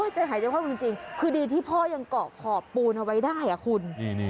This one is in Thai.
ใจหายใจเข้าจริงคือดีที่พ่อยังเกาะขอบปูนเอาไว้ได้คุณ